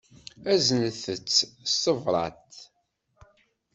Aznet-tt s tebṛat.